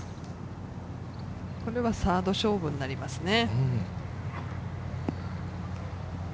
これはサード勝負になりますね。